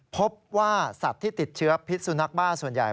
พบว่าสัตว์ที่ติดเชื้อพิษสุนัขบ้าส่วนใหญ่